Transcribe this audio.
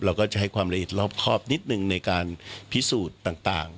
เราก็จะให้ความละเอียดรอบครอบนิดนึงในการพิสูจน์ต่าง